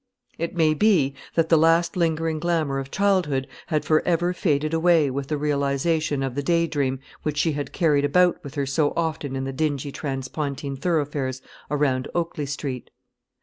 It may be that the last lingering glamour of childhood had for ever faded away with the realisation of the day dream which she had carried about with her so often in the dingy transpontine thoroughfares around Oakley Street.